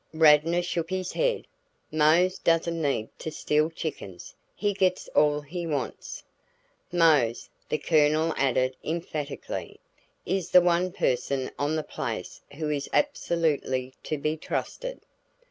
Radnor shook his head. "Mose doesn't need to steal chickens. He gets all he wants." "Mose," the Colonel added emphatically, "is the one person on the place who is absolutely to be trusted."